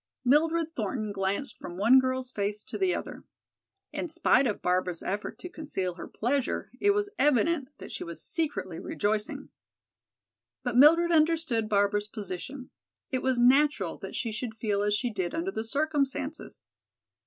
Mildred Thornton glanced from one girl's face to the other. In spite of Barbara's effort to conceal her pleasure, it was evident that she was secretly rejoicing. But Mildred understood Barbara's position; it was natural that she should feel as she did under the circumstances.